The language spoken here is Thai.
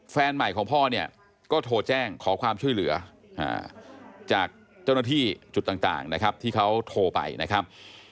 แฟนใหม่ของพ่อเนี่ยก็โทรแจ้งขอความช่วยเหลือจากเจ้าหน้าที่จุดต่างนะครับที่เขาโทรไปนะครับ